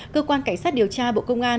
cơ quan cảnh sát điều tra bộ công an